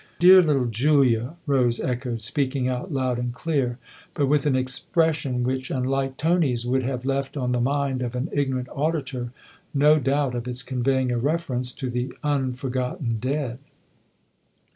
" Dear little Julia !" Rose echoed, speaking out loud and clear, but with an expression which, unlike Tony's, would have left on the mind of an ignorant auditor no doubt of its conveying a reference to the un forgotten dead.